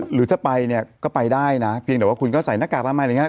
หรือถ้าไปเนี่ยก็ไปได้นะเพียงแต่ว่าคุณก็ใส่หน้ากากอนามัยอะไรอย่างนี้